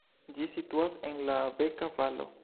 Ĝi situas en la Beka-valo.